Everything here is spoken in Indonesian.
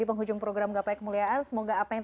di penghujung program gapai kemuliaan semoga apa yang